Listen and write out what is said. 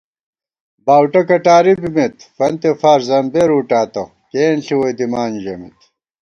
باؤٹہ کٹاری بِمېت فنتے فار زمبېر وُٹاتہ کېنݪی ووئی دِمان ژَمېت